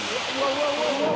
うわうわうわ